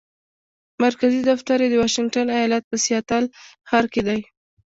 مرکزي دفتر یې د واشنګټن ایالت په سیاتل ښار کې دی.